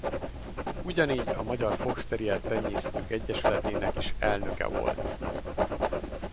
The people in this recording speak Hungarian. Ugyanígy a Magyar Foxterrier-Tenyésztők Egyesületének is elnöke volt.